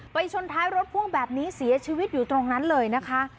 ชนท้ายรถพ่วงแบบนี้เสียชีวิตอยู่ตรงนั้นเลยนะคะ